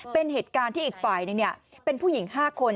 เป็นเหตุการณ์ที่อีกฝ่ายหนึ่งเป็นผู้หญิง๕คน